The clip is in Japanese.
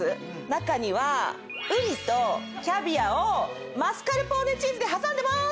中にはウニとキャビアをマスカルポーネチーズで挟んでます！